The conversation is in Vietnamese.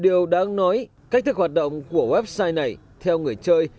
điều đáng nói cách thức hoạt động của website này theo người chơi